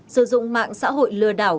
sử dụng mạng xã hội lừa đảo